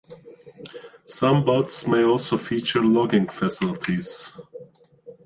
Some bots may also feature logging facilities.